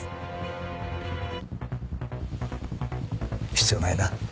必要ないな。